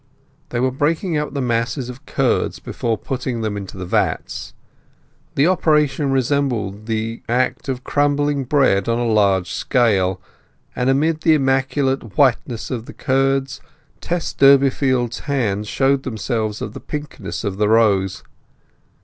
They were breaking up the masses of curd before putting them into the vats. The operation resembled the act of crumbling bread on a large scale; and amid the immaculate whiteness of the curds Tess Durbeyfield's hands showed themselves of the pinkness of the rose.